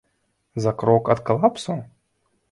За крок ад калапсу?